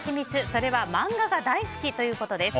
それは、漫画が大好きということです。